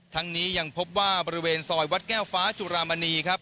ทั้งนี้ยังพบว่าบริเวณซอยวัดแก้วฟ้าจุรามณีครับ